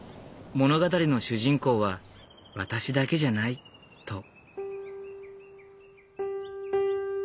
「物語の主人公は私だけじゃない」と。